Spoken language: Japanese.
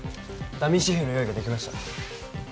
ダミー紙幣の用意ができました